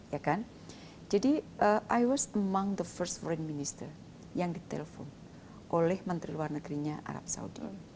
jadi saya di antara pemerintah luar negri pertama yang ditelepon oleh menteri luar negerinya arab saudi